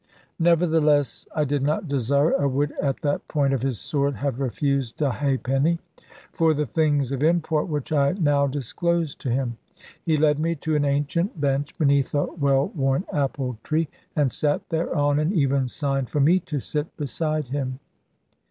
Nevertheless I did not desire, and would at the point of his sword have refused, a halfpenny, for the things of import which I now disclosed to him. He led me to an ancient bench, beneath a well worn apple tree; and sat thereon, and even signed for me to sit beside him.